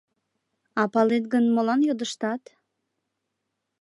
— А палет гын, молан йодыштат?